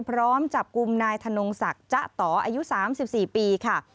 พร้อมจับกลุ่มนายธนงศักดิ์จ๊ะต่ออายุ๓๔ปีค่ะ